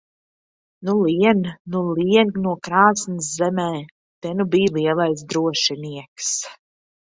Nu, lien nu lien no krāsns zemē! Te nu bij lielais drošinieks!